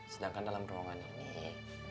sedangkan dalam ruangan ini